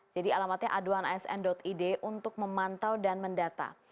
jadi alamatnya aduanasn id untuk memantau dan mendata